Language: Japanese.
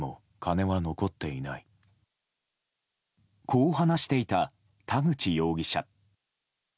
こう話していた田口容疑者。